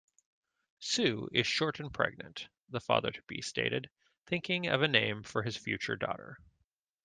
"Sue is short and pregnant", the father-to-be stated, thinking of a name for his future daughter.